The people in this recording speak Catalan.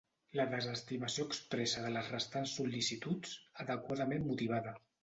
La desestimació expressa de les restants sol·licituds, adequadament motivada.